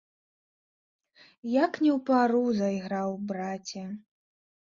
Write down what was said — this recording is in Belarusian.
Як не ў пару зайграў, браце.